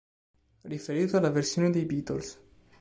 Riferito alla versione dei Beatles.